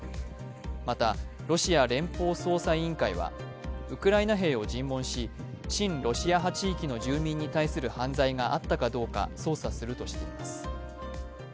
また、ロシア連邦捜査委員会は、ウクライナ兵を尋問し、親ロシア派地域の住民に対する犯罪があったかどうか捜査するとしています。